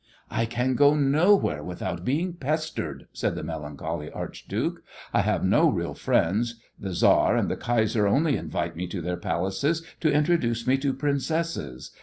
"I can go nowhere without being pestered," said the melancholy archduke. "I have no real friends. The Czar and the Kaiser only invite me to their palaces to introduce me to princesses.